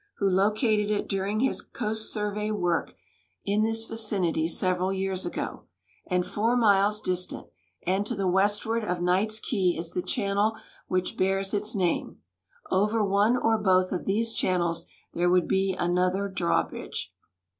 wlio located it during his Coast Survey work in this vicinity several years ago, and four miles distant and to the westward of Knights Key is the channel which bears its name; over one or both of the.se channels there would be another drawbridge.